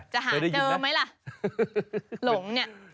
จะหาเจอไหมล่ะหลงเนี่ย